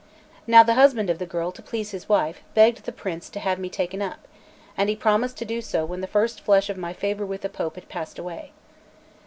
Now the husband of the girl, to please his wife, begged the prince to have me taken up; and he promised to do so when the first flush of my favour with the Pope had passed away.